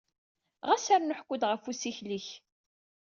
Ɣas rnu ḥku-d ɣef usikel-ik.